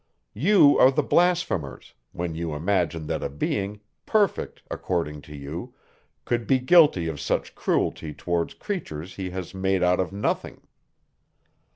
You are the blasphemers, when you imagine that a being, perfect according to you, could be guilty of such cruelty towards creatures whom he has made out of nothing.